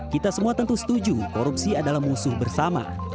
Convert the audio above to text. kita semua tentu setuju korupsi adalah musuh bersama